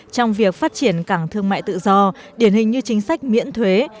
trong việc phát triển cảng thương mại tự do điển hình như chính sách miễn thuế